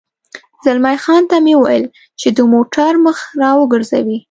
زلمی خان ته مې وویل چې د موټر مخ را وګرځوي.